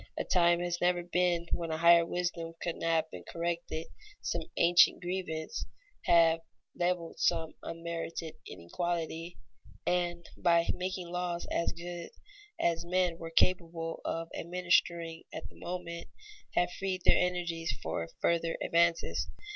A time has never been when a higher wisdom could not have corrected some ancient grievance, have leveled some unmerited inequality, and, by making laws as good as men were capable of administering at the moment, have freed their energies for further advances.